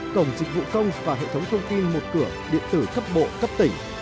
cổng dịch vụ công và hệ thống thông tin một cửa điện tử cấp bộ cấp tỉnh